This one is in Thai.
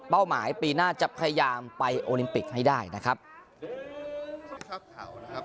เป้าหมายปีหน้าจะพยายามไปโอลิมปิกให้ได้นะครับทราบข่าวนะครับ